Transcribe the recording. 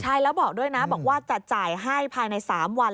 ใช่แล้วบอกด้วยนะบอกว่าจะจ่ายให้ภายใน๓วัน